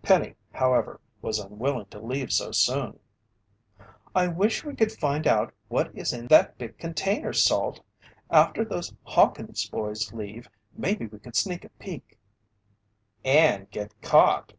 Penny, however, was unwilling to leave so soon. "I wish we could find out what is in that big container, Salt! After those Hawkins' boys leave, maybe we could sneak a peek." "And get caught!"